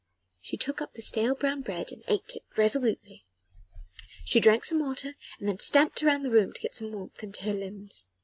She took up the stale brown bread and ate it resolutely. She drank some water and then stamped round the room to get some warmth into her limbs.